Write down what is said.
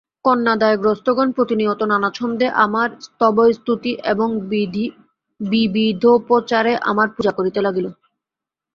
কন্যাদায়গ্রস্তগণ প্রতিনিয়ত নানা ছন্দে আমার স্তবস্তুতি এবং বিবিধোপচারে আমার পূজা করিতে লাগিল।